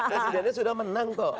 presidennya sudah menang kok